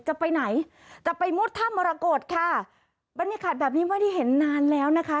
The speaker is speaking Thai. จะไปไหนจะไปมุดถ้ำมรกฏค่ะบรรยากาศแบบนี้ไม่ได้เห็นนานแล้วนะคะ